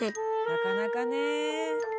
なかなかね。